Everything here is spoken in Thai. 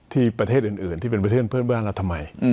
ประเทศอื่นที่เป็นประเทศเพื่อนบ้านเราทำไม